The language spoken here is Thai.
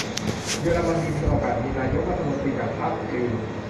เยอรมนีมีโอกาสมีนายกรัฐมนตรีจากพรรคกรีน ?